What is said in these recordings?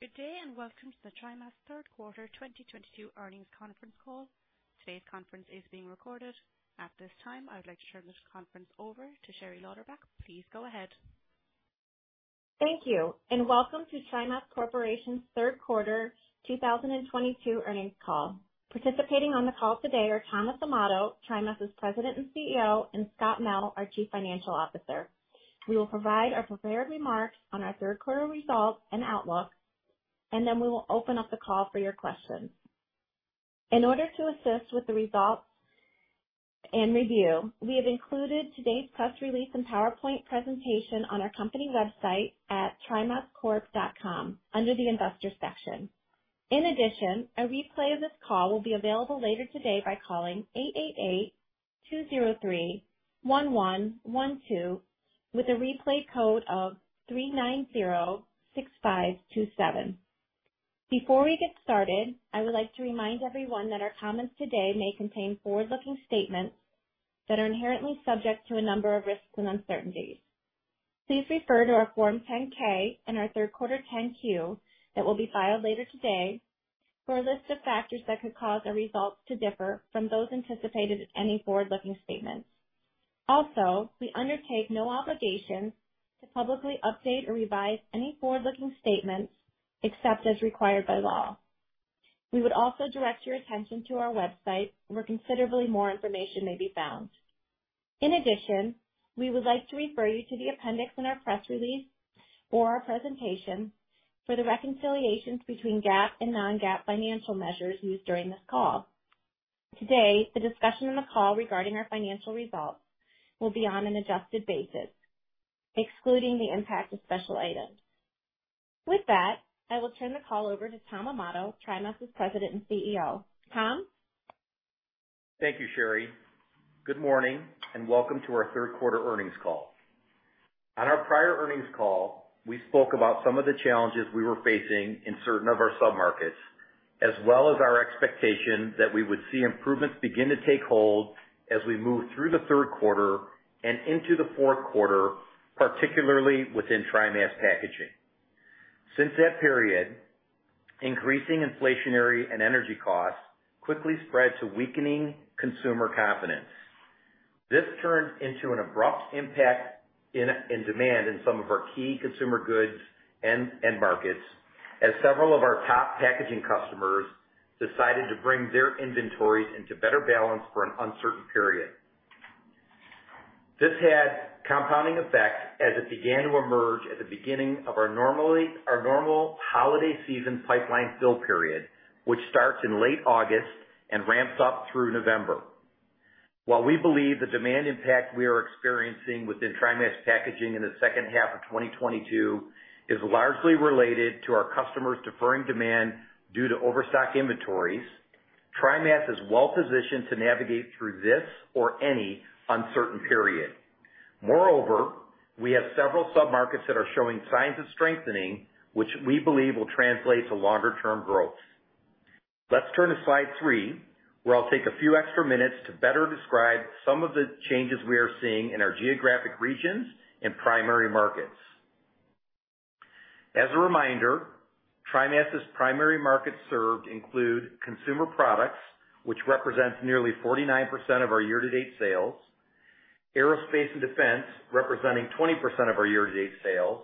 Good day, and welcome to the TriMas Q3 2022 earnings conference call. Today's conference is being recorded. At this time, I would like to turn this conference over to Sherry Lauderback. Please go ahead. Thank you, and welcome to TriMas Corporation's Q3 2022 earnings call. Participating on the call today are Tom Amato, TriMas' President and CEO, and Scott Mell, our Chief Financial Officer. We will provide our prepared remarks on our Q3 results and outlook, and then we will open up the call for your questions. In order to assist with the results and review, we have included today's press release and PowerPoint presentation on our company website at trimascorp.com under the Investors section. In addition, a replay of this call will be available later today by calling 888-203-1112, with a replay code of 3906527. Before we get started, I would like to remind everyone that our comments today may contain forward-looking statements that are inherently subject to a number of risks and uncertainties. Please refer to our Form 10-K and our Q3 10-Q that will be filed later today for a list of factors that could cause our results to differ from those anticipated in any forward-looking statements. Also, we undertake no obligation to publicly update or revise any forward-looking statements except as required by law. We would also direct your attention to our website, where considerably more information may be found. In addition, we would like to refer you to the appendix in our press release or our presentation for the reconciliations between GAAP and non-GAAP financial measures used during this call. Today, the discussion in the call regarding our financial results will be on an adjusted basis, excluding the impact of special items. With that, I will turn the call over to Tom Amato, TriMas' President and CEO. Tom? Thank you, Sherry. Good morning and welcome to our Q3 earnings call. On our prior earnings call, we spoke about some of the challenges we were facing in certain of our submarkets, as well as our expectation that we would see improvements begin to take hold as we move through the Q3 and into the Q4, particularly within TriMas Packaging. Since that period, increasing inflationary and energy costs quickly spread to weakening consumer confidence. This turned into an abrupt impact in demand in some of our key consumer goods end markets, as several of our top packaging customers decided to bring their inventories into better balance for an uncertain period. This had compounding effects as it began to emerge at the beginning of our normal holiday season pipeline fill period, which starts in late August and ramps up through November. While we believe the demand impact we are experiencing within TriMas Packaging in the second half of 2022 is largely related to our customers deferring demand due to overstock inventories, TriMas is well positioned to navigate through this or any uncertain period. Moreover, we have several submarkets that are showing signs of strengthening, which we believe will translate to longer term growth. Let's turn to slide three, twhere I'll take a few extra minutes to better describe some of the changes we are seeing in our geographic regions and primary markets. As a reminder, TriMas' primary markets served include consumer products, which represents nearly 49% of our year-to-date sales, aerospace and defense, representing 20% of our year-to-date sales,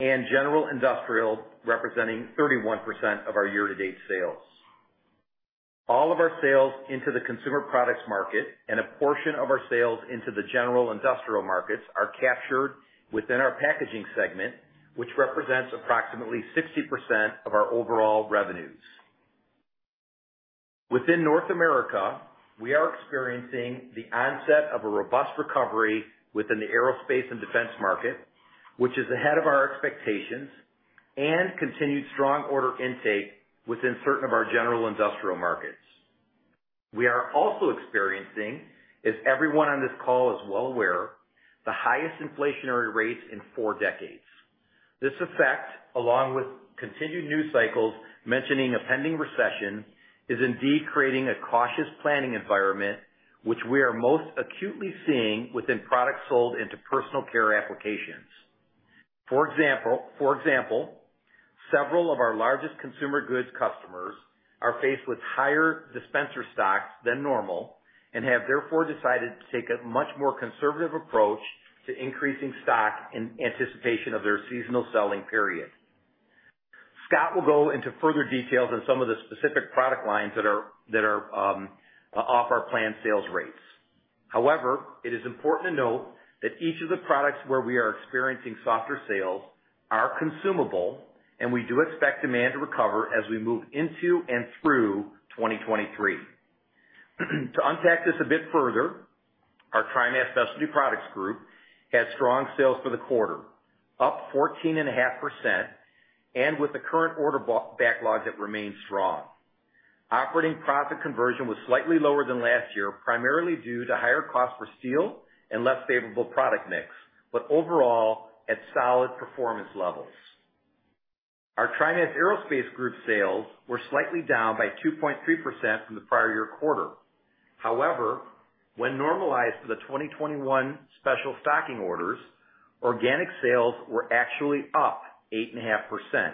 and general industrial, representing 31% of our year-to-date sales. All of our sales into the consumer products market and a portion of our sales into the general industrial markets are captured within our packaging segment, which represents approximately 60% of our overall revenues. Within North America, we are experiencing the onset of a robust recovery within the aerospace and defense market, which is ahead of our expectations, and continued strong order intake within certain of our general industrial markets. We are also experiencing, as everyone on this call is well aware, the highest inflationary rates in four decades. This effect, along with continued news cycles mentioning a pending recession, is indeed creating a cautious planning environment which we are most acutely seeing within products sold into personal care applications. For example, several of our largest consumer goods customers are faced with higher dispenser stocks than normal and have therefore decided to take a much more conservative approach to increasing stock in anticipation of their seasonal selling period. Scott will go into further details on some of the specific product lines that are off our planned sales rates. However, it is important to note that each of the products where we are experiencing softer sales are consumable, and we do expect demand to recover as we move into and through 2023. To unpack this a bit further, our TriMas Specialty Products group had strong sales for the quarter, up 14.5%, and with the current order backlog that remains strong. Operating profit conversion was slightly lower than last year, primarily due to higher cost for steel and less favorable product mix, but overall at solid performance levels. Our TriMas Aerospace group sales were slightly down by 2.3% from the prior year quarter. However, when normalized to the 2021 special stocking orders, organic sales were actually up 8.5%.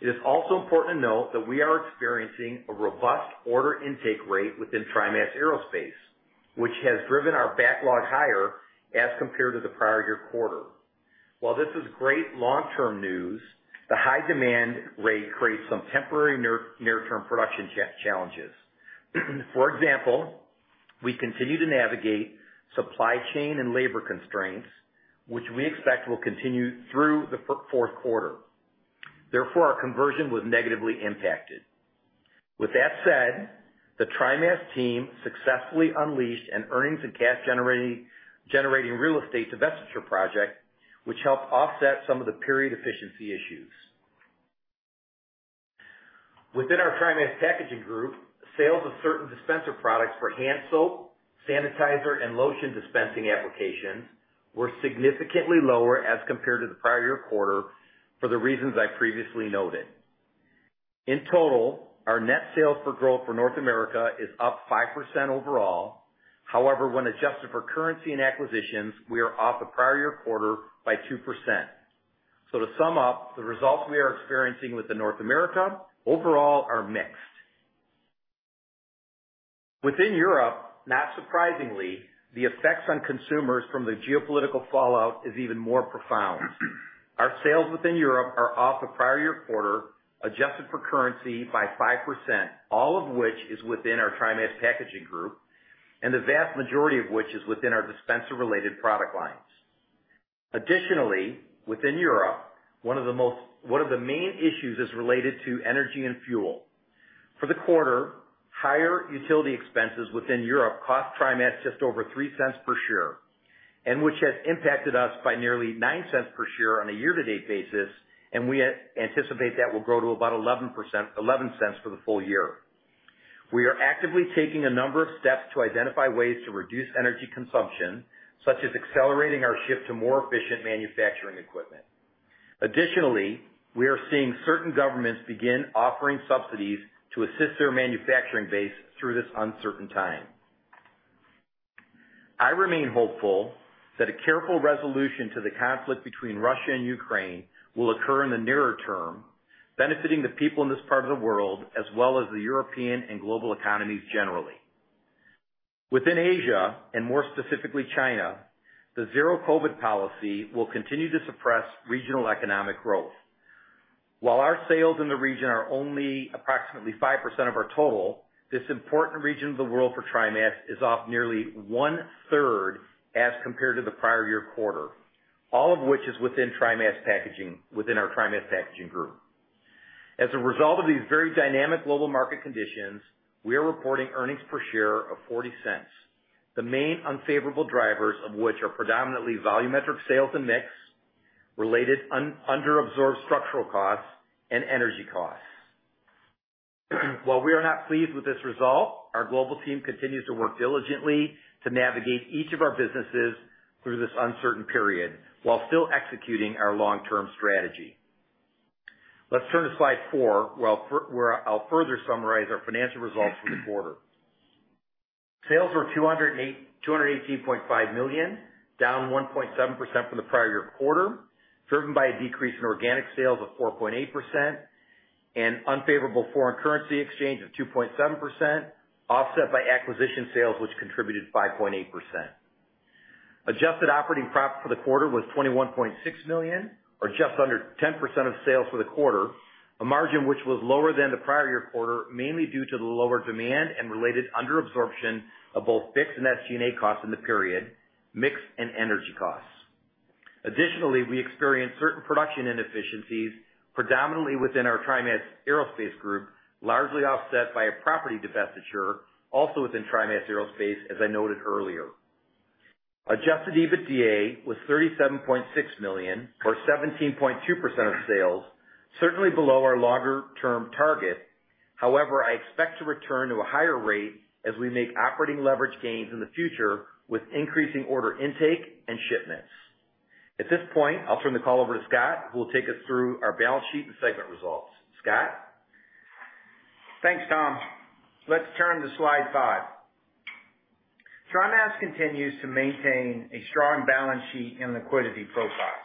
It is also important to note that we are experiencing a robust order intake rate within TriMas Aerospace, which has driven our backlog higher as compared to the prior year quarter. While this is great long-term news, the high demand rate creates some temporary near-term production challenges. For example, we continue to navigate supply chain and labor constraints, which we expect will continue through the Q4. Therefore, our conversion was negatively impacted. With that said, the TriMas team successfully unleashed an earnings and cash generating real estate divestiture project, which helped offset some of the period efficiency issues. Within our TriMas Packaging group, sales of certain dispenser products for hand soap, sanitizer, and lotion dispensing applications were significantly lower as compared to the prior year quarter for the reasons I previously noted. In total, our net sales growth for North America is up 5% overall. However, when adjusted for currency and acquisitions, we are off the prior year quarter by 2%. To sum up, the results we are experiencing with the North America overall are mixed. Within Europe, not surprisingly, the effects on consumers from the geopolitical fallout is even more profound. Our sales within Europe are off the prior year quarter, adjusted for currency by 5%, all of which is within our TriMas Packaging group, and the vast majority of which is within our dispenser-related product lines. Additionally, within Europe, one of the main issues is related to energy and fuel. For the quarter, higher utility expenses within Europe cost TriMas just over $0.03 per share, which has impacted us by nearly $0.09 per share on a year-to-date basis, and we anticipate that will grow to about $0.11 for the full year. We are actively taking a number of steps to identify ways to reduce energy consumption, such as accelerating our shift to more efficient manufacturing equipment. Additionally, we are seeing certain governments begin offering subsidies to assist their manufacturing base through this uncertain time. I remain hopeful that a careful resolution to the conflict between Russia and Ukraine will occur in the nearer term, benefiting the people in this part of the world, as well as the European and global economies generally. Within Asia, and more specifically China, the Zero-COVID policy will continue to suppress regional economic growth. While our sales in the region are only approximately 5% of our total, this important region of the world for TriMas is off nearly one-third as compared to the prior year quarter, all of which is within our TriMas Packaging group. As a result of these very dynamic global market conditions, we are reporting earnings per share of $0.40, the main unfavorable drivers of which are predominantly volumetric sales and mix, related under absorbed structural costs and energy costs. While we are not pleased with this result, our global team continues to work diligently to navigate each of our businesses through this uncertain period, while still executing our long-term strategy. Let's turn to slide four, where I'll further summarize our financial results for the quarter. Sales were $218.5 million, down 1.7% from the prior year quarter, driven by a decrease in organic sales of 4.8% and unfavorable foreign currency exchange of 2.7%, offset by acquisition sales, which contributed 5.8%. Adjusted operating profit for the quarter was $21.6 million or just under 10% of sales for the quarter, a margin which was lower than the prior year quarter, mainly due to the lower demand and related under absorption of both fixed and SG&A costs in the period, mix and energy costs. Additionally, we experienced certain production inefficiencies, predominantly within our TriMas Aerospace group, largely offset by a property divestiture also within TriMas Aerospace, as I noted earlier. Adjusted EBITDA was $37.6 million, or 17.2% of sales, certainly below our longer-term target. However, I expect to return to a higher rate as we make operating leverage gains in the future with increasing order intake and shipments. At this point, I'll turn the call over to Scott, who will take us through our balance sheet and segment results. Scott? Thanks, Tom. Let's turn to slide five. TriMas continues to maintain a strong balance sheet and liquidity profile,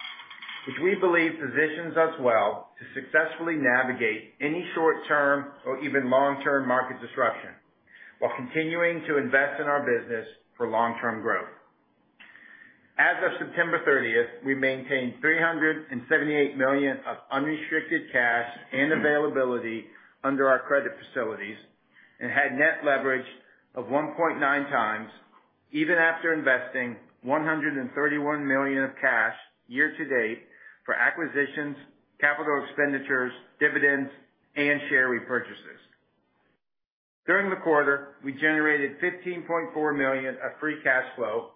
which we believe positions us well to successfully navigate any short-term or even long-term market disruption while continuing to invest in our business for long-term growth. As of September 30, we maintained $378 million of unrestricted cash and availability under our credit facilities and had net leverage of 1.9x, even after investing $131 million of cash year to date for acquisitions, capital expenditures, dividends, and share repurchases. During the quarter, we generated $15.4 million of free cash flow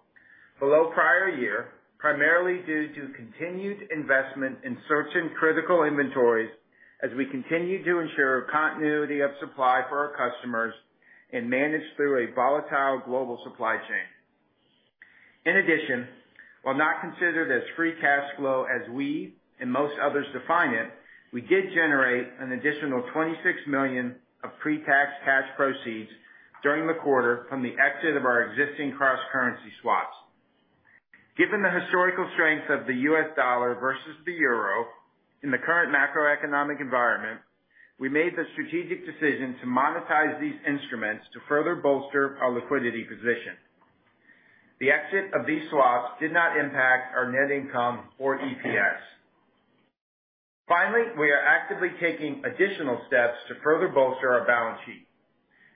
below prior year, primarily due to continued investment in certain critical inventories as we continue to ensure continuity of supply for our customers and manage through a volatile global supply chain. In addition, while not considered as free cash flow as we and most others define it, we did generate an additional $26 million of pre-tax cash proceeds during the quarter from the exit of our existing cross-currency swaps. Given the historical strength of the U.S. dollar versus the euro in the current macroeconomic environment, we made the strategic decision to monetize these instruments to further bolster our liquidity position. The exit of these swaps did not impact our net income or EPS. Finally, we are actively taking additional steps to further bolster our balance sheet.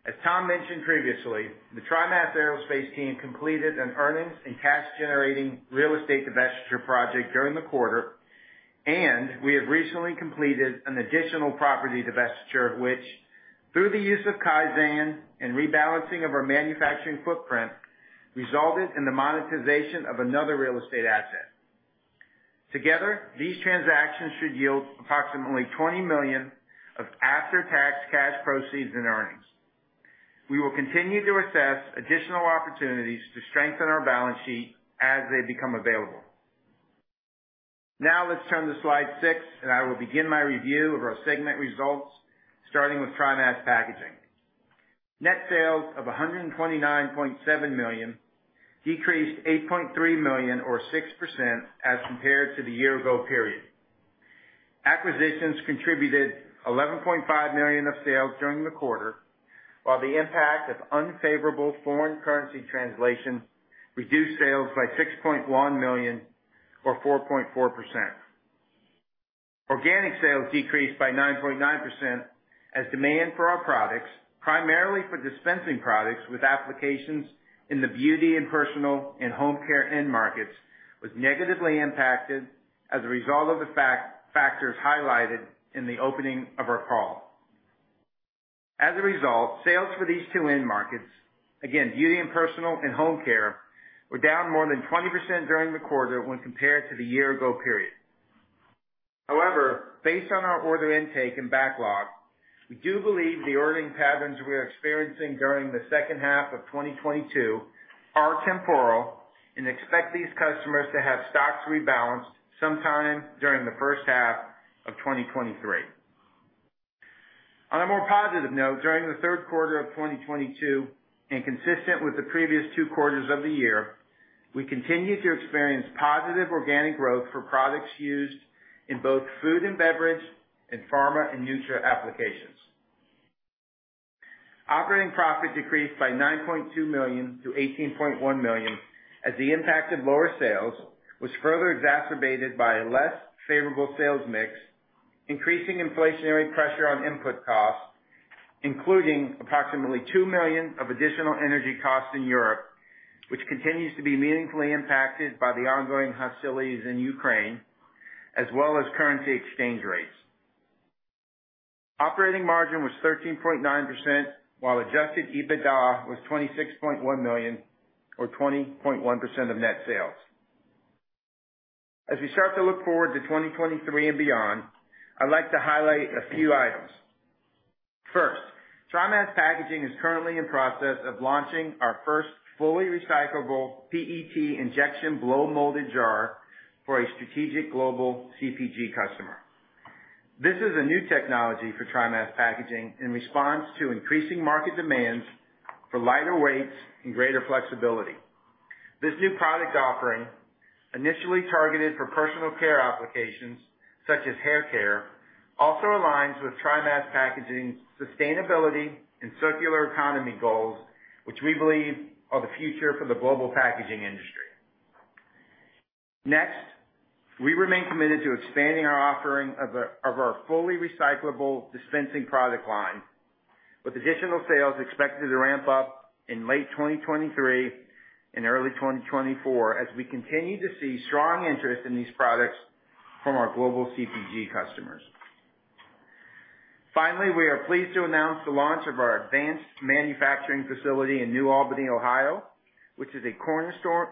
As Tom mentioned previously, the TriMas Aerospace team completed an earnings and cash-generating real estate divestiture project during the quarter, and we have recently completed an additional property divestiture, which, through the use of Kaizen and rebalancing of our manufacturing footprint, resulted in the monetization of another real estate asset. Together, these transactions should yield approximately $20 million of after-tax cash proceeds and earnings. We will continue to assess additional opportunities to strengthen our balance sheet as they become available. Now let's turn to slide six, and I will begin my review of our segment results, starting with TriMas Packaging. Net sales of $129.7 million decreased $8.3 million or 6% as compared to the year ago period. Acquisitions contributed $11.5 million of sales during the quarter, while the impact of unfavorable foreign currency translation reduced sales by $6.1 million or 4.4%. Organic sales decreased by 9.9% as demand for our products, primarily for dispensing products with applications in the beauty and personal and home care end markets, was negatively impacted as a result of the factors highlighted in the opening of our call. As a result, sales for these two end markets, again, beauty and personal and home care, were down more than 20% during the quarter when compared to the year ago period. However, based on our order intake and backlog, we do believe the ordering patterns we are experiencing during the second half of 2022 are temporal and expect these customers to have stocks rebalanced sometime during the first half of 2023. On a more positive note, during the Q3 of 2022 and consistent with the previous two quarters of the year, we continued to experience positive organic growth for products used in both food and beverage and pharma and nutra applications. Operating profit decreased by $9.2 million to $18.1 million as the impact of lower sales was further exacerbated by a less favorable sales mix, increasing inflationary pressure on input costs, including approximately $2 million of additional energy costs in Europe, which continues to be meaningfully impacted by the ongoing hostilities in Ukraine, as well as currency exchange rates. Operating margin was 13.9%, while adjusted EBITDA was $26.1 million or 20.1% of net sales. As we start to look forward to 2023 and beyond, I'd like to highlight a few items. First, TriMas Packaging is currently in process of launching our first fully recyclable PET injection blow molded jar for a strategic global CPG customer. This is a new technology for TriMas Packaging in response to increasing market demands for lighter weights and greater flexibility. This new product offering, initially targeted for personal care applications such as hair care, also aligns with TriMas Packaging's sustainability and circular economy goals, which we believe are the future for the global packaging industry. Next, we remain committed to expanding our offering of our fully recyclable dispensing product line with additional sales expected to ramp up in late 2023 and early 2024 as we continue to see strong interest in these products from our global CPG customers. Finally, we are pleased to announce the launch of our advanced manufacturing facility in New Albany, Ohio, which is a cornerstone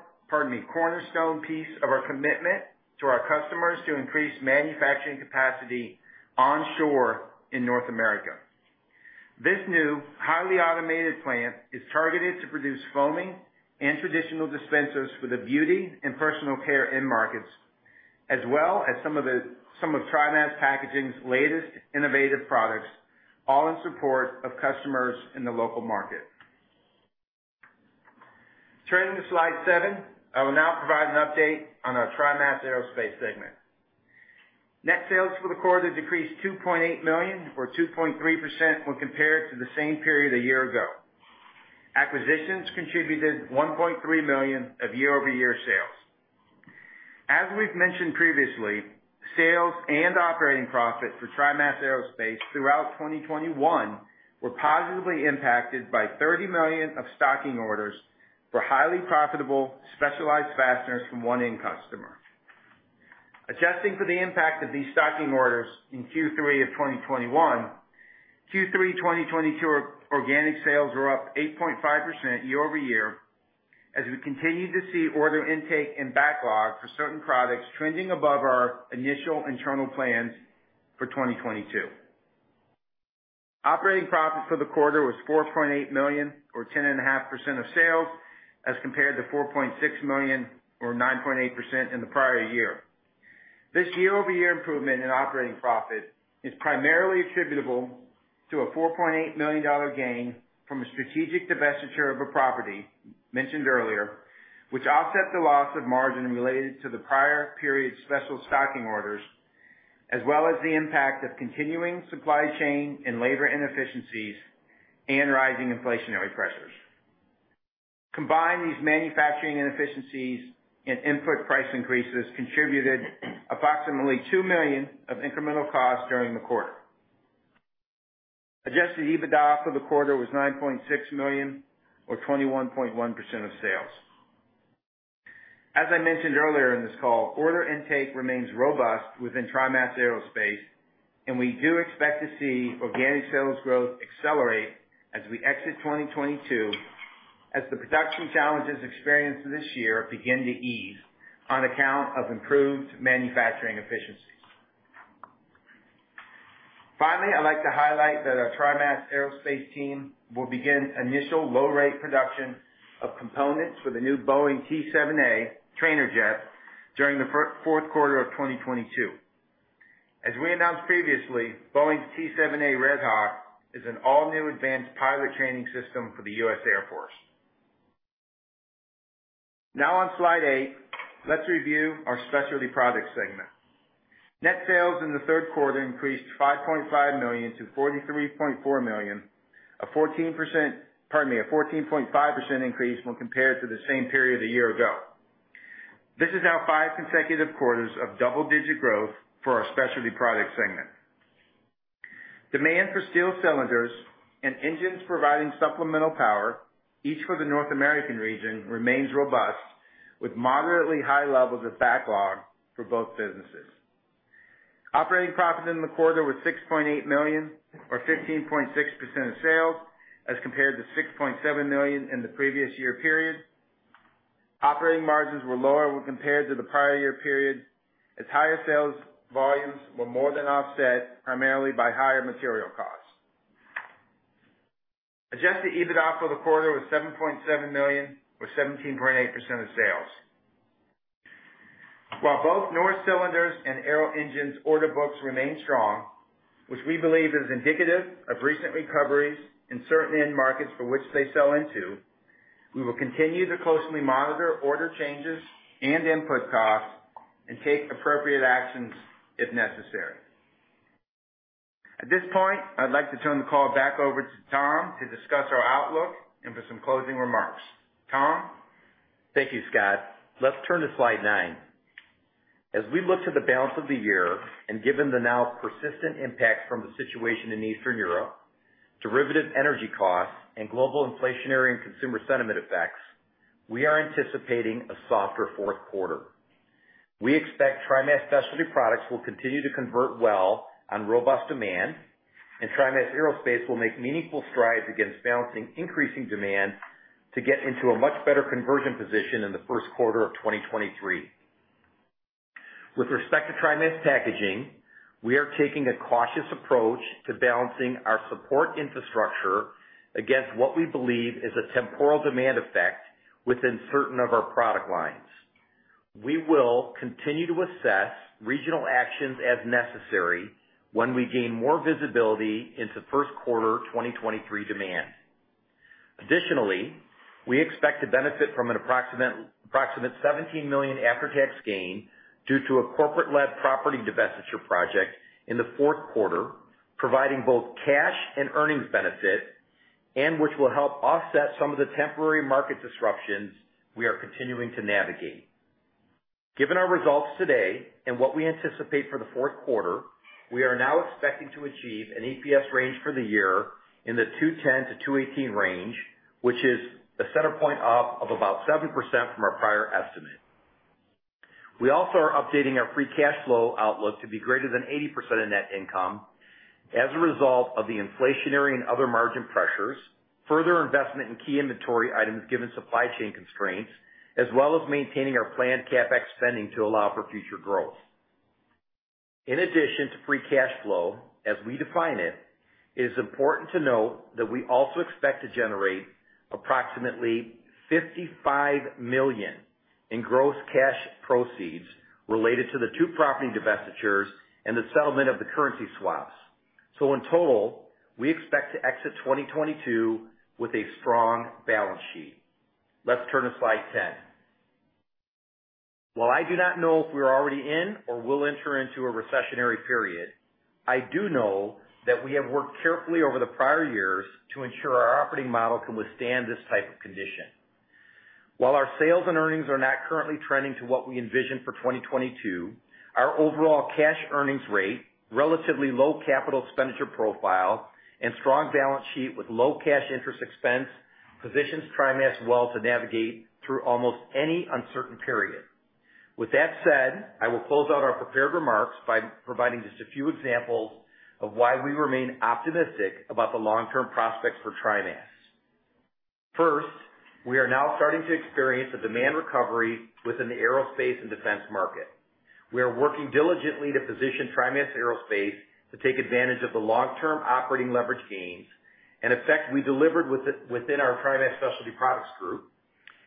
piece of our commitment to our customers to increase manufacturing capacity onshore in North America. This new highly automated plant is targeted to produce foaming and traditional dispensers for the beauty and personal care end markets, as well as some of TriMas Packaging's latest innovative products, all in support of customers in the local market. Turning to slide seven. I will now provide an update on our TriMas Aerospace segment. Net sales for the quarter decreased $2.8 million or 2.3% when compared to the same period a year ago. Acquisitions contributed $1.3 million of year-over-year sales. As we've mentioned previously, sales and operating profit for TriMas Aerospace throughout 2021 were positively impacted by $30 million of stocking orders for highly profitable specialized fasteners from one end customer. Adjusting for the impact of these stocking orders in Q3 of 2021, Q3 2022 organic sales were up 8.5% year-over-year as we continued to see order intake and backlog for certain products trending above our initial internal plans for 2022. Operating profit for the quarter was $4.8 million, or 10.5% of sales, as compared to $4.6 million, or 9.8% in the prior year. This year-over-year improvement in operating profit is primarily attributable to a $4.8 million gain from a strategic divestiture of a property mentioned earlier, which offset the loss of margin related to the prior period's special stocking orders, as well as the impact of continuing supply chain and labor inefficiencies and rising inflationary pressures. Combined, these manufacturing inefficiencies and input price increases contributed approximately $2 million of incremental costs during the quarter. Adjusted EBITDA for the quarter was $9.6 million or 21.1% of sales. As I mentioned earlier in this call, order intake remains robust within TriMas Aerospace, and we do expect to see organic sales growth accelerate as we exit 2022, as the production challenges experienced this year begin to ease on account of improved manufacturing efficiencies. Finally, I'd like to highlight that our TriMas Aerospace team will begin initial low-rate production of components for the new Boeing T-7A trainer jet during the Q4 of 2022. As we announced previously, Boeing's T-7A Red Hawk is an all-new advanced pilot training system for the U.S. Air Force. Now on slide eight, let's review our Specialty Products segment. Net sales in the Q3 increased $5.5 million to $43.4 million, a 14%, pardon me, a 14.5% increase when compared to the same period a year ago. This is now five consecutive quarters of double-digit growth for our Specialty Products segment. Demand for steel cylinders and engines providing supplemental power, each for the North American region, remains robust, with moderately high levels of backlog for both businesses. Operating profit in the quarter was $6.8 million, or 15.6% of sales, as compared to $6.7 million in the previous year period. Operating margins were lower when compared to the prior year period, as higher sales volumes were more than offset primarily by higher material costs. Adjusted EBITDA for the quarter was $7.7 million, or 17.8% of sales. While both Norris Cylinder and Arrow Engine order books remain strong, which we believe is indicative of recent recoveries in certain end markets for which they sell into, we will continue to closely monitor order changes and input costs and take appropriate actions if necessary. At this point, I'd like to turn the call back over to Tom to discuss our outlook and for some closing remarks. Tom? Thank you, Scott. Let's turn to slide nine. As we look to the balance of the year and given the now persistent impact from the situation in Eastern Europe, derivative energy costs, and global inflationary and consumer sentiment effects, we are anticipating a softer Q4. We expect TriMas Specialty Products will continue to convert well on robust demand, and TriMas Aerospace will make meaningful strides against balancing increasing demand to get into a much better conversion position in the Q1 of 2023. With respect to TriMas Packaging, we are taking a cautious approach to balancing our support infrastructure against what we believe is a temporal demand effect within certain of our product lines. We will continue to assess regional actions as necessary when we gain more visibility into Q1 2023 demand. Additionally, we expect to benefit from an approximate $17 million after-tax gain due to a corporate-led property divestiture project in the Q4, providing both cash and earnings benefit, and which will help offset some of the temporary market disruptions we are continuing to navigate. Given our results today and what we anticipate for the Q4, we are now expecting to achieve an EPS range for the year in the $2.10-$2.18 range, which is the center point up of about 7% from our prior estimate. We also are updating our free cash flow outlook to be greater than 80% of net income as a result of the inflationary and other margin pressures, further investment in key inventory items given supply chain constraints, as well as maintaining our planned CapEx spending to allow for future growth. In addition to free cash flow as we define it is important to note that we also expect to generate approximately $55 million in gross cash proceeds related to the two property divestitures and the settlement of the currency swaps. In total, we expect to exit 2022 with a strong balance sheet. Let's turn to slide 10. While I do not know if we are already in or will enter into a recessionary period, I do know that we have worked carefully over the prior years to ensure our operating model can withstand this type of condition. While our sales and earnings are not currently trending to what we envision for 2022, our overall cash earnings rate, relatively low capital expenditure profile, and strong balance sheet with low cash interest expense positions TriMas well to navigate through almost any uncertain period. With that said, I will close out our prepared remarks by providing just a few examples of why we remain optimistic about the long-term prospects for TriMas. First, we are now starting to experience a demand recovery within the aerospace and defense market. We are working diligently to position TriMas Aerospace to take advantage of the long-term operating leverage gains and effect we delivered with it within our TriMas Specialty Products group.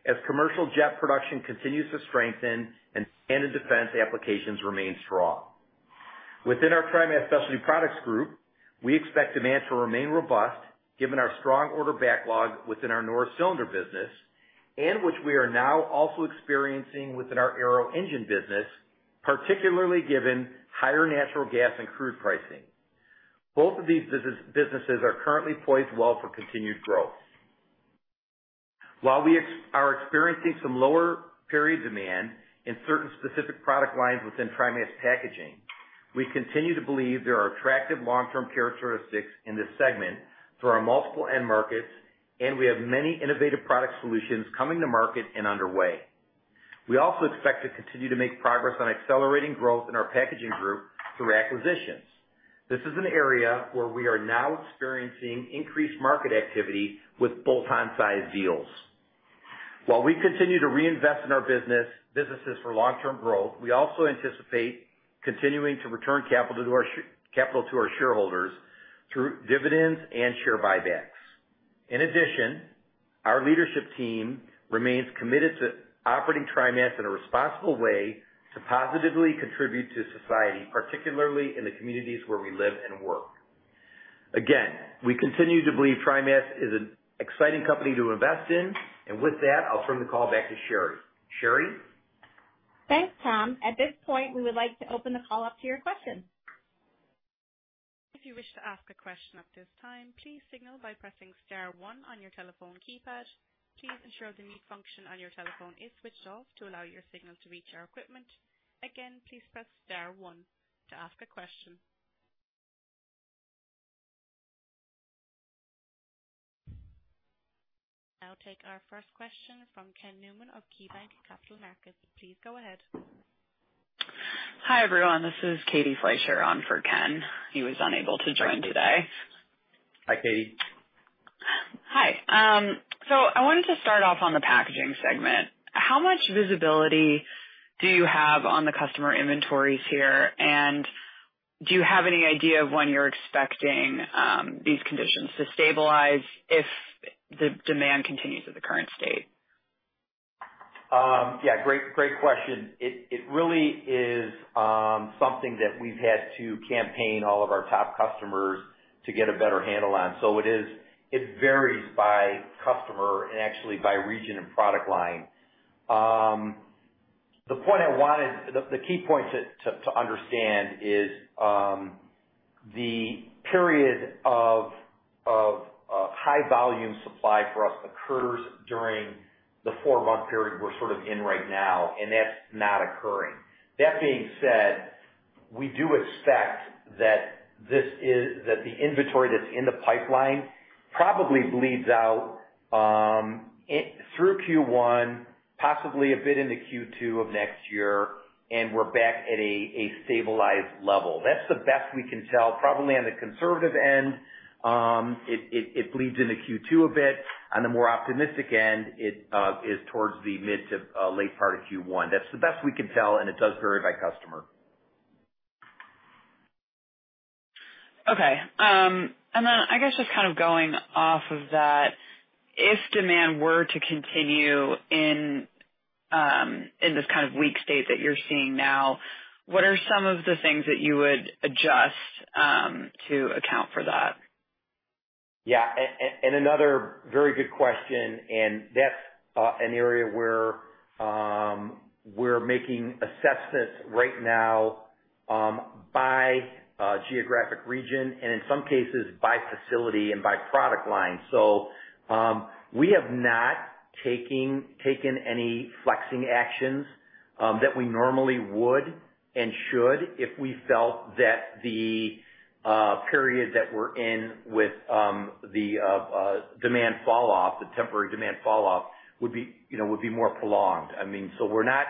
As commercial jet production continues to strengthen and the defense applications remain strong. Within our TriMas Specialty Products group, we expect demand to remain robust given our strong order backlog within our Norris Cylinder business, which we are now also experiencing within our Arrow Engine business, particularly given higher natural gas and crude pricing. Both of these businesses are currently poised well for continued growth. While we are experiencing some lower period demand in certain specific product lines within TriMas Packaging, we continue to believe there are attractive long-term characteristics in this segment through our multiple end markets, and we have many innovative product solutions coming to market and underway. We also expect to continue to make progress on accelerating growth in our packaging group through acquisitions. This is an area where we are now experiencing increased market activity with bolt-on size deals. While we continue to reinvest in our business for long-term growth, we also anticipate continuing to return capital to our shareholders through dividends and share buybacks. In addition, our leadership team remains committed to operating TriMas in a responsible way to positively contribute to society, particularly in the communities where we live and work. Again, we continue to believe TriMas is an exciting company to invest in. With that, I'll turn the call back to Sherry. Sherry? Thanks, Tom. At this point, we would like to open the call up to your questions. If you wish to ask a question at this time, please signal by pressing star one on your telephone keypad. Please ensure the mute function on your telephone is switched off to allow your signal to reach our equipment. Again, please press star one to ask a question. I'll take our first question from Ken Newman of KeyBanc Capital Markets. Please go ahead. Hi, everyone. This is Katie Fleischer on for Ken. He was unable to join today. Hi, Katie. Hi. I wanted to start off on the packaging segment. How much visibility do you have on the customer inventories here? Do you have any idea of when you're expecting these conditions to stabilize if the demand continues at the current state? Yeah. Great question. It really is something that we've had to campaign all of our top customers to get a better handle on. It varies by customer and actually by region and product line. The key point to understand is the period of high volume supply for us occurs during the four-month period we're sort of in right now, and that's not occurring. That being said, we do expect that the inventory that's in the pipeline probably bleeds out through Q1, possibly a bit into Q2 of next year, and we're back at a stabilized level. That's the best we can tell. Probably on the conservative end, it bleeds into Q2 a bit. On the more optimistic end, it is towards the mid to late part of Q1. That's the best we can tell, and it does vary by customer. Okay. I guess just kind of going off of that, if demand were to continue in this kind of weak state that you're seeing now, what are some of the things that you would adjust to account for that? Yeah. Another very good question, and that's an area where we're making assessments right now by geographic region and in some cases by facility and by product line. We have not taken any flexing actions that we normally would and should if we felt that the period that we're in with the demand falloff, the temporary demand falloff would be, you know, would be more prolonged. I mean, we're not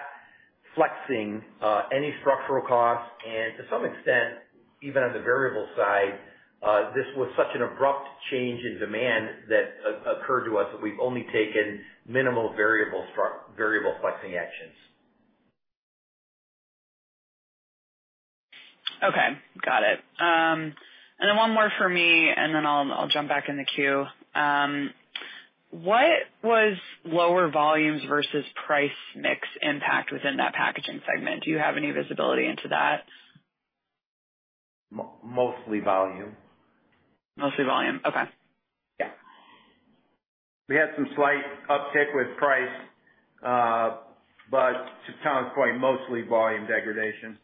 flexing any structural costs, and to some extent, even on the variable side, this was such an abrupt change in demand that occurred to us that we've only taken minimal variable flexing actions. Okay. Got it. One more for me, and then I'll jump back in the queue. What was lower volumes versus price mix impact within that packaging segment? Do you have any visibility into that? Mostly volume. Mostly volume. Okay. Yeah. We had some slight uptick with price, but to Tom's point, mostly volume degradation.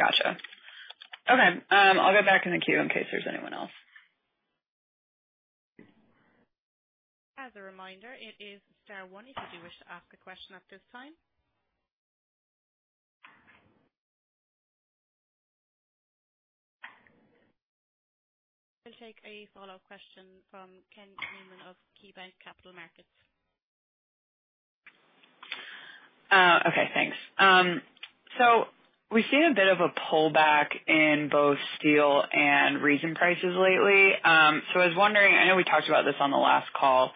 Gotcha. Okay. I'll go back in the queue in case there's anyone else. As a reminder, it is star one if you do wish to ask a question at this time. I'll take a follow-up question from Ken Newman of KeyBanc Capital Markets. Okay, thanks. We've seen a bit of a pullback in both steel and resin prices lately. I was wondering, I know we talked about this on the last call,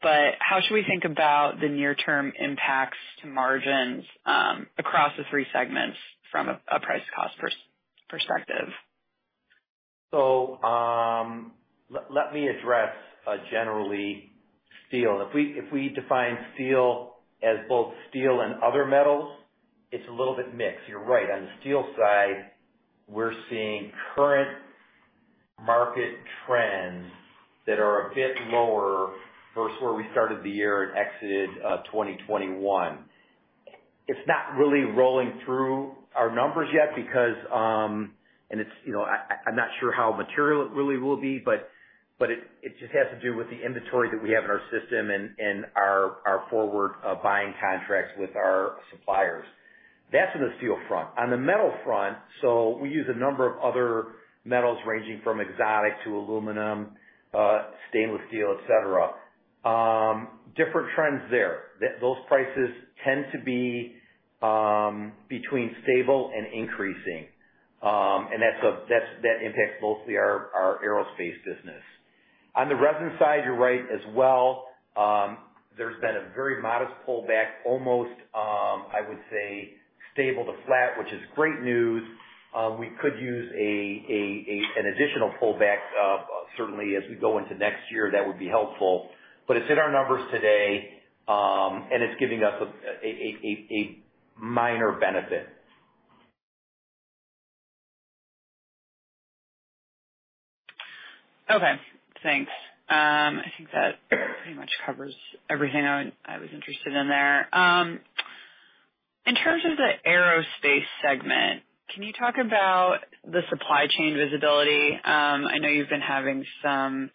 but how should we think about the near-term impacts to margins across the three segments from a price-cost perspective? Let me address, generally, steel. If we define steel as both steel and other metals, it's a little bit mixed. You're right. On the steel side, we're seeing current market trends that are a bit lower versus where we started the year and exited 2021. It's not really rolling through our numbers yet because it's, you know. I'm not sure how material it really will be, but it just has to do with the inventory that we have in our system and our forward buying contracts with our suppliers. That's on the steel front. On the metal front, we use a number of other metals ranging from exotic to aluminum, stainless steel, et cetera. Different trends there. Those prices tend to be between stable and increasing. That impacts mostly our aerospace business. On the resin side, you're right as well. There's been a very modest pullback, almost, I would say stable to flat, which is great news. We could use an additional pullback, certainly as we go into next year, that would be helpful. It's in our numbers today, and it's giving us a minor benefit. Okay. Thanks. I think that pretty much covers everything I was interested in there. In terms of the aerospace segment, can you talk about the supply chain visibility? I know you've been having some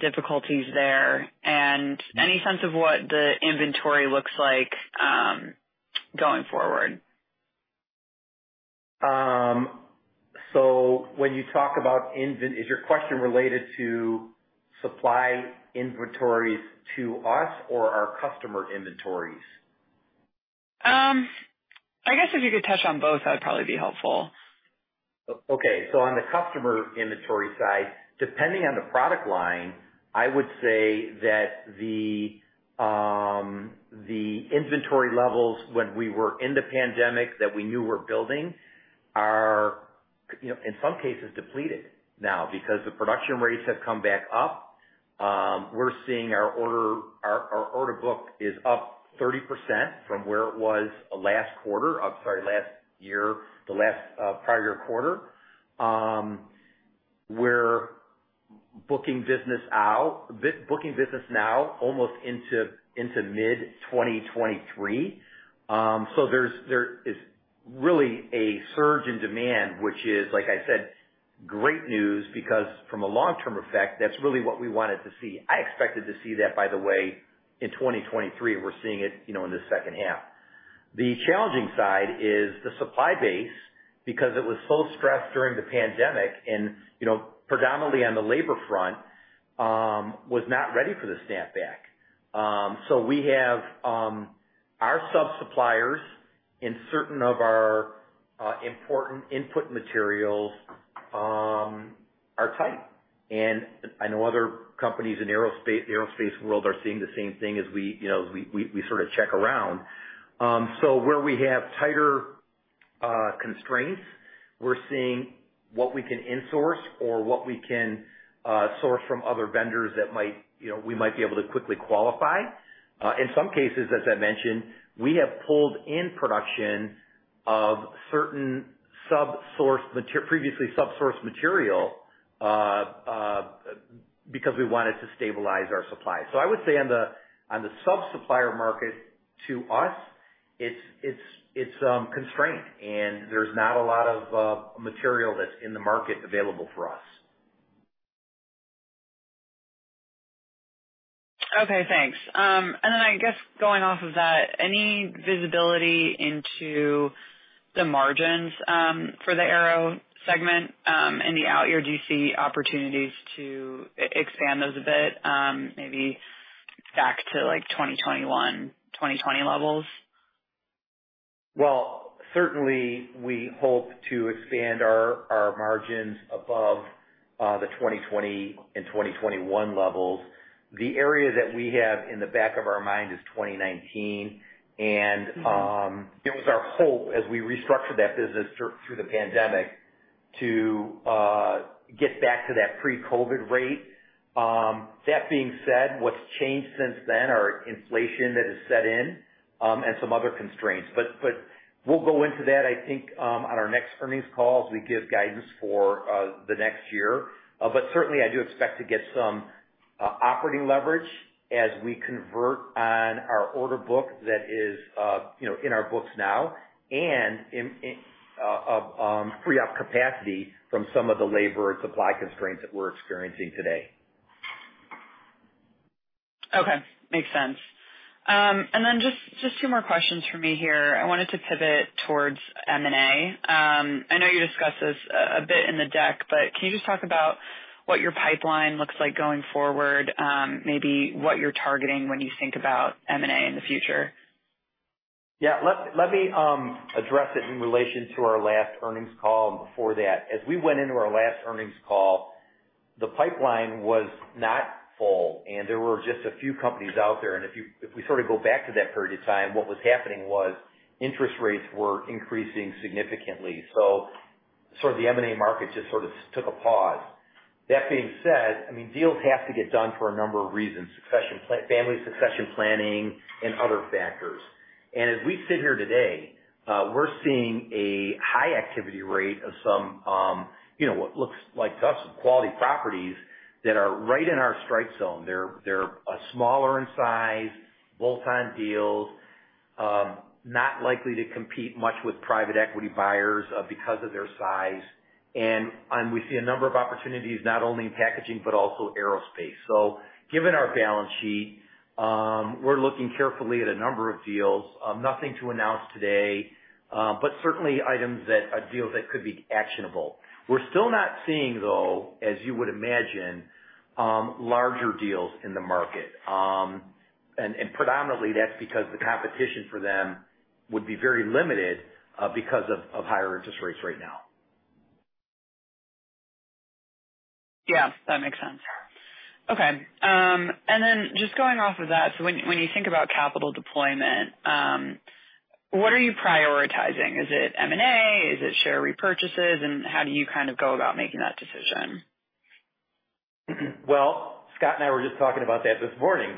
difficulties there. Any sense of what the inventory looks like going forward? Is your question related to supply inventories to us or our customer inventories? I guess if you could touch on both, that'd probably be helpful. Okay. On the customer inventory side, depending on the product line, I would say that the inventory levels when we were in the pandemic that we knew we're building are, you know, in some cases depleted now because the production rates have come back up. We're seeing our order book is up 30% from where it was last year, prior year quarter. We're booking business now almost into mid-2023. There is really a surge in demand, which is, like I said, great news because from a long-term effect, that's really what we wanted to see. I expected to see that, by the way, in 2023, and we're seeing it, you know, in the second half. The challenging side is the supply base, because it was so stressed during the pandemic and, you know, predominantly on the labor front, was not ready for the snapback. We have our sub-suppliers and certain of our important input materials are tight. I know other companies in aerospace, the aerospace world are seeing the same thing as we, you know, as we sort of check around. Where we have tighter constraints, we're seeing what we can in-source or what we can source from other vendors that might, you know, we might be able to quickly qualify. In some cases, as I mentioned, we have pulled in production of certain previously sub-sourced material, because we wanted to stabilize our supply. I would say on the sub-supplier market, to us, it's constrained, and there's not a lot of material that's in the market available for us. Okay, thanks. I guess going off of that, any visibility into the margins for the aero segment and the out year, do you see opportunities to expand those a bit, maybe back to like 2021, 2020 levels? Well, certainly we hope to expand our margins above the 2020 and 2021 levels. The area that we have in the back of our mind is 2019. It was our hope as we restructured that business during the pandemic to get back to that pre-COVID rate. That being said, what's changed since then are inflation that has set in and some other constraints. We'll go into that, I think, on our next earnings call, as we give guidance for the next year. Certainly I do expect to get some operating leverage as we convert on our order book that is, you know, in our books now and free up capacity from some of the labor and supply constraints that we're experiencing today. Okay. Makes sense. Just two more questions from me here. I wanted to pivot towards M&A. I know you discussed this a bit in the deck, but can you just talk about what your pipeline looks like going forward, maybe what you're targeting when you think about M&A in the future. Yeah. Let me address it in relation to our last earnings call and before that. As we went into our last earnings call, the pipeline was not full, and there were just a few companies out there. If we sort of go back to that period of time, what was happening was interest rates were increasing significantly. The M&A market just sort of took a pause. That being said, I mean, deals have to get done for a number of reasons, family succession planning and other factors. As we sit here today, we're seeing a high activity rate of some, you know, what looks like to us some quality properties that are right in our strike zone. They're smaller in size, bolt-on deals, not likely to compete much with private equity buyers, because of their size. We see a number of opportunities not only in packaging but also aerospace. Given our balance sheet, we're looking carefully at a number of deals. Nothing to announce today, but certainly deals that could be actionable. We're still not seeing, though, as you would imagine, larger deals in the market. Predominantly that's because the competition for them would be very limited, because of higher interest rates right now. Yeah, that makes sense. Okay. Just going off of that, when you think about capital deployment, what are you prioritizing? Is it M&A? Is it share repurchases? How do you kind of go about making that decision? Well, Scott and I were just talking about that this morning.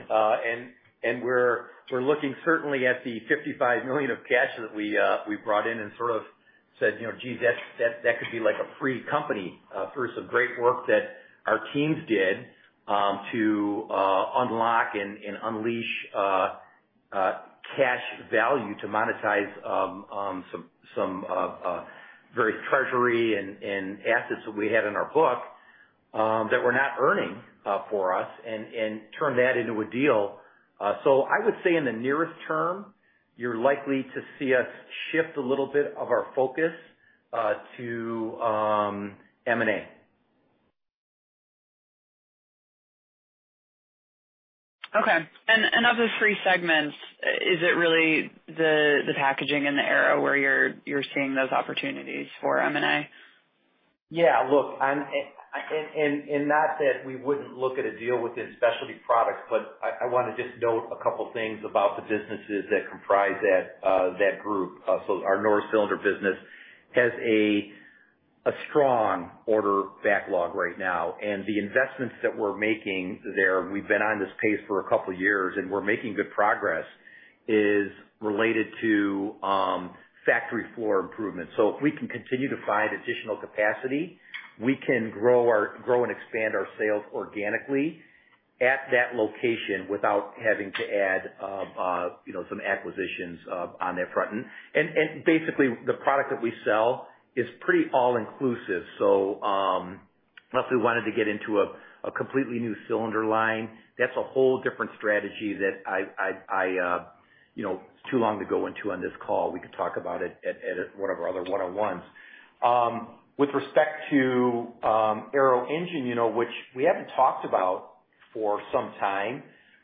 We're looking certainly at the $55 million of cash that we brought in and sort of said, you know, gee, that could be like a free company through some great work that our teams did to unlock and unleash cash value to monetize some various treasury and assets that we had on our books that were not earning for us and turn that into a deal. I would say in the near term, you're likely to see us shift a little bit of our focus to M&A. Okay. Of the three segments, is it really the packaging and the aero where you're seeing those opportunities for M&A? Yeah. Look, and not that we wouldn't look at a deal within Specialty Products, but I wanna just note a couple things about the businesses that comprise that group. So our Norris Cylinder business has a strong order backlog right now. The investments that we're making there, we've been on this pace for a couple years, and we're making good progress, is related to factory floor improvements. So if we can continue to find additional capacity, we can grow and expand our sales organically at that location without having to add you know, some acquisitions on that front. Basically the product that we sell is pretty all-inclusive. Unless we wanted to get into a completely new cylinder line, that's a whole different strategy that I you know, it's too long to go into on this call. We could talk about it at one of our other one-on-ones. With respect to Arrow Engine, you know, which we haven't talked about for some time,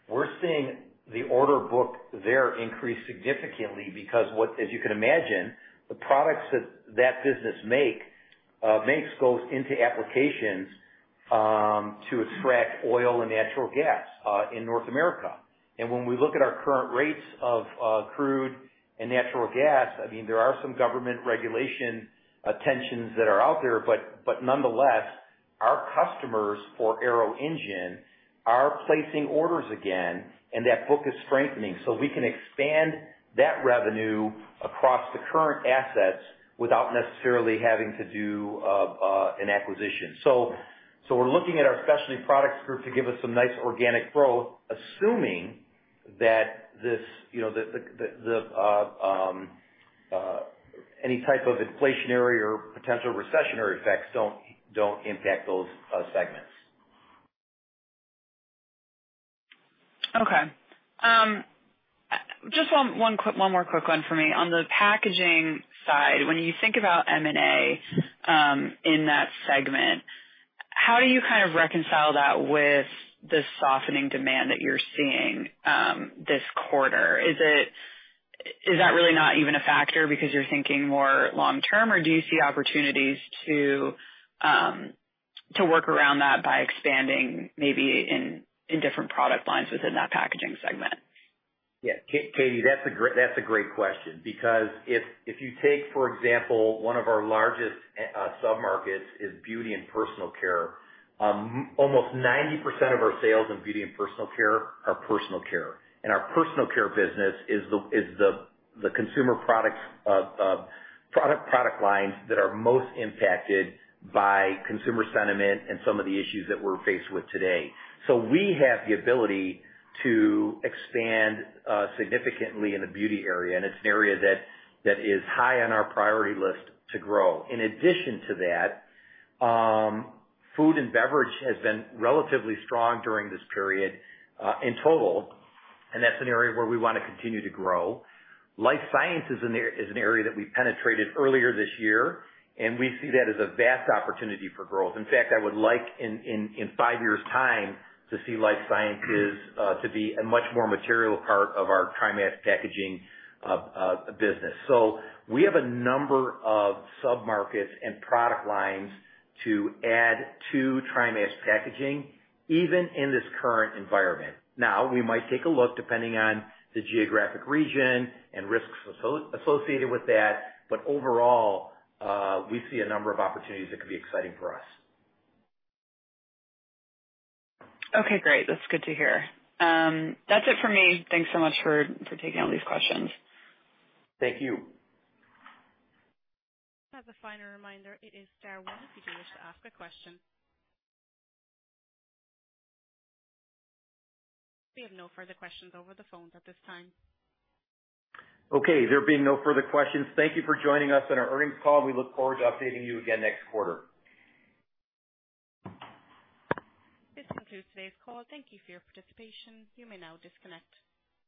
we're seeing the order book there increase significantly because as you can imagine, the products that that business makes goes into applications to extract oil and natural gas in North America. When we look at our current rates of crude and natural gas, I mean, there are some government regulation tensions that are out there, but nonetheless, our customers for Arrow Engine are placing orders again, and that book is strengthening. We can expand that revenue across the current assets without necessarily having to do an acquisition. We're looking at our specialty products group to give us some nice organic growth, assuming that this, you know, the any type of inflationary or potential recessionary effects don't impact those segments. Okay. Just one more quick one for me. On the packaging side, when you think about M&A in that segment, how do you kind of reconcile that with the softening demand that you're seeing this quarter? Is that really not even a factor because you're thinking more long-term, or do you see opportunities to work around that by expanding maybe in different product lines within that packaging segment? Yeah. Katie, that's a great question because if you take, for example, one of our largest submarkets is beauty and personal care. Almost 90% of our sales in beauty and personal care are personal care. Our personal care business is the consumer products product lines that are most impacted by consumer sentiment and some of the issues that we're faced with today. We have the ability to expand significantly in the beauty area, and it's an area that is high on our priority list to grow. In addition to that, food and beverage has been relatively strong during this period in total, and that's an area where we wanna continue to grow. Life science is an area that we penetrated earlier this year, and we see that as a vast opportunity for growth. In fact, I would like in five years' time to see life sciences to be a much more material part of our TriMas Packaging business. We have a number of submarkets and product lines to add to TriMas Packaging even in this current environment. Now, we might take a look depending on the geographic region and risks associated with that, but overall, we see a number of opportunities that could be exciting for us. Okay, great. That's good to hear. That's it for me. Thanks so much for taking all these questions. Thank you. As a final reminder, it is star one if you do wish to ask a question. We have no further questions over the phone at this time. Okay. There being no further questions, thank you for joining us on our earnings call. We look forward to updating you again next quarter. This concludes today's call. Thank you for your participation. You may now disconnect.